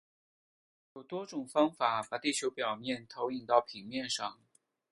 有多种方法把地球表面投影到平面上。